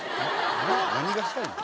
何がしたいねん。